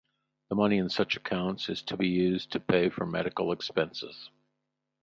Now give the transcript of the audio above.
The money in such accounts is to be used to pay for medical expenses.